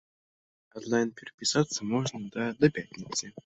Анлайн перапісацца можна да да пятніцы.